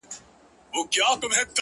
او د پښتو په ګرامر لیکنه کي یې